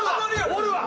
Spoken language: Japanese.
おるわ！